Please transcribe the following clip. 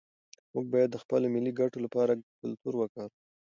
موږ باید د خپلو ملي ګټو لپاره کلتور وکاروو.